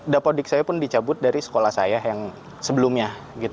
dapodik saya pun dicabut dari sekolah saya yang sebelumnya